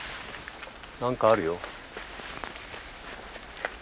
何かあるよ。